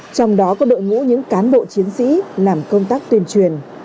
trong đó có đội ngũ những cán bộ chiến sĩ làm công tác tuyên truyền